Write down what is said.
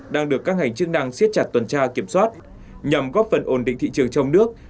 đang được các ngành chức năng siết chặt tuần tra kiểm soát nhằm góp phần ổn định thị trường trong nước